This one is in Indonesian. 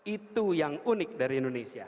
itu yang unik dari indonesia